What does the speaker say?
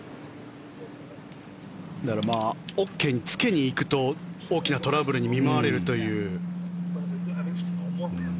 ＯＫにつけにいくと大きなトラブルに見舞われるという。